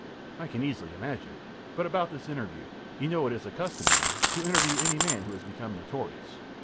ö ōI can easily imagine it. But about this interview. You know it is the custom, now, to interview any man who has become notorious.